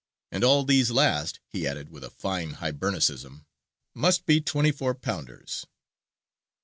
And all these last" (he added, with a fine Hibernicism) "must be 24 pounders."